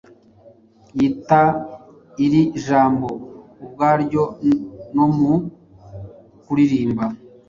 yita iri jambo ubwaryo nomu kuririmba